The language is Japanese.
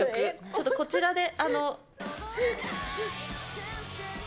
ちょっとこちらで。